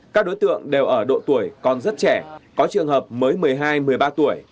các đối tượng đều ở độ tuổi còn rất trẻ có trường hợp mới một mươi hai một mươi ba tuổi